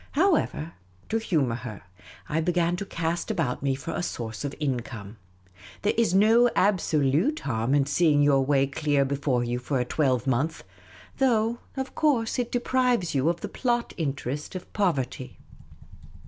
However, to humour her, I began to cast about me for a source of in come. There is no absolute harm in seeing your way clear before you for a twelvemonth, though of course it deprives you of the plot interest of poverty.